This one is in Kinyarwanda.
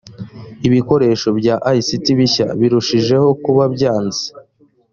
ibikoresho bya ict bishya birushijeho kuba byanze